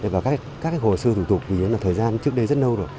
và các hồ sơ thủ tục thì nó là thời gian trước đây rất lâu rồi